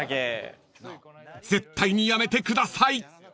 ［絶対にやめてください！］